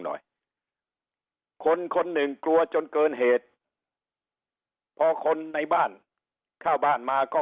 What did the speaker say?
หน่อยคนคนหนึ่งกลัวจนเกินเหตุพอคนในบ้านเข้าบ้านมาก็